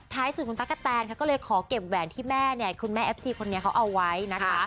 ท้ายสุดท่านก็เลยขอเก็บแวลที่แม่เนี่ยคุณแม่เอฟซีคนนี้เขาเอาไว้นะคะ